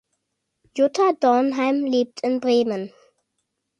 Jutta Dornheim lebt in Bremen.